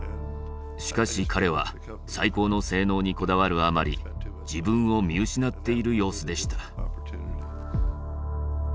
しかし彼は最高の性能にこだわるあまり自分を見失っている様子でした。